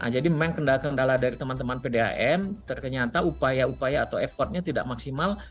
jadi memang kendala kendala dari teman teman pdam ternyata upaya upaya atau effortnya tidak maksimal